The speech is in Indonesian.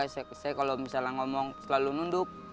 saya kalau misalnya ngomong selalu nunduk